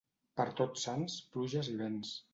Per Tots Sants, pluges i vents.